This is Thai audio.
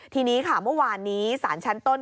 ทีนี้ค่ะเมื่อวานนี้ศาลชั้นต้น